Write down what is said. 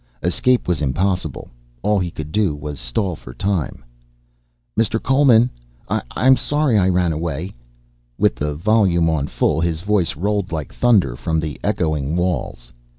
Escape was impossible, all he could do was stall for time. "Mr. Coleman, I'm sorry I ran away." With the volume on full his voice rolled like thunder from the echoing walls.